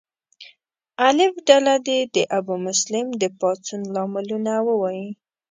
الف ډله دې د ابومسلم د پاڅون لاملونه ووایي.